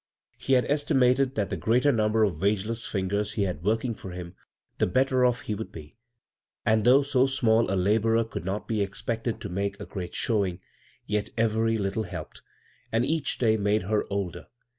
He had estimated that the greater number of wageless fingers he had working for him, the better off he would be ; and though so small a laborer could not be expected to make a great showing, yet b, Google CROSS CURRENTS every Htde helped — and each day made het older.